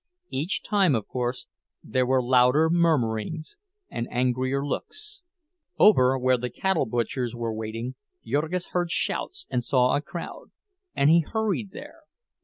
Each time, of course, there were louder murmurings and angrier looks. Over where the cattle butchers were waiting, Jurgis heard shouts and saw a crowd, and he hurried there.